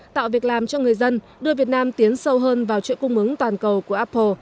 tạo việc làm cho người dân đưa việt nam tiến sâu hơn vào chuỗi cung ứng toàn cầu của apple